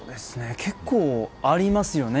結構、ありますよね。